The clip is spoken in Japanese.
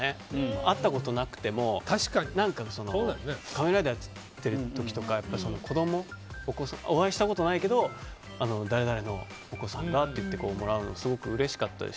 会ったことがなくても仮面ライダーやってる時とかってお会いしたことないけど誰々のお子さんがって言ってもらうのはうれしかったです。